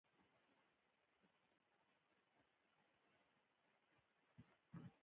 قهوه د مطالعې دوست ده